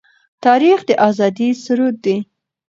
تاریخ د آزادۍ سرود دی.